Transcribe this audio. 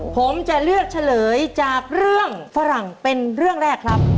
ผมจะเลือกเฉลยจากเรื่องฝรั่งเป็นเรื่องแรกครับ